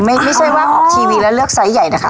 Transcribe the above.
ไม่ใช่ว่าออกทีวีแล้วเลือกไซส์ใหญ่นะคะ